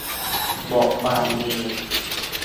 บทความมี